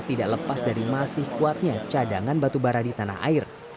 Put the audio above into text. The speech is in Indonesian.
tidak lepas dari masih kuatnya cadangan batubara di tanah air